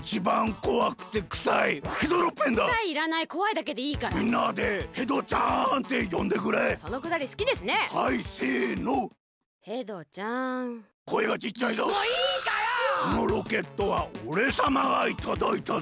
このロケットはおれさまがいただいたぜ！